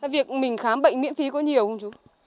việc mình khám bệnh miễn phí có nhiều không chú